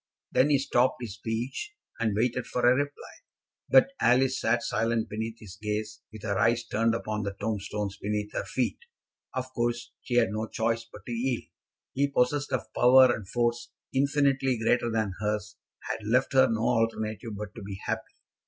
Then he stopped his speech, and waited for a reply; but Alice sat silent beneath his gaze, with her eyes turned upon the tombstones beneath her feet. Of course she had no choice but to yield. He, possessed of power and force infinitely greater than hers, had left her no alternative but to be happy.